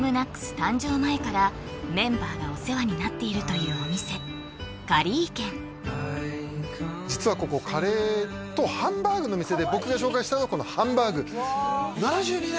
誕生前からメンバーがお世話になっているというお店カリー軒実はここカレーとハンバーグの店で僕が紹介したいのはこのハンバーグ７２年！